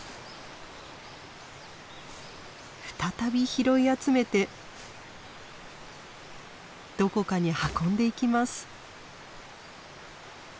再び拾い集めてどこかに運んでいきます。